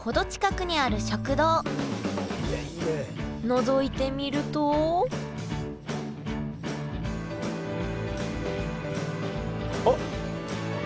のぞいてみるとあっ！